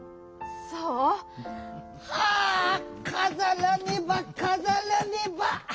そう？はあかざらねばかざらねば！